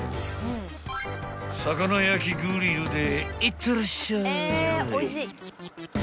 ［魚焼きグリルでいってらっしゃい］